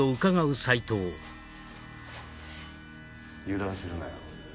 ・油断するなよ。